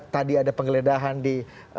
tadi ada penggeledahan di